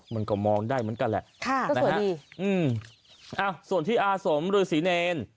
มันก็มองได้เหมือนกันแหละค่ะก็สวยดีอืมอ่าส่วนที่อาสมหรือศรีเนร